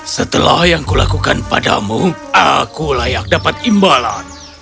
setelah yang kulakukan padamu aku layak dapat imbalan